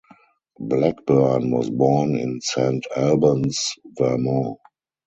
Blackburn was born in Saint Albans, Vermont.